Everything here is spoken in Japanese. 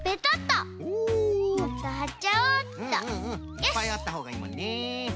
いっぱいあったほうがいいもんね。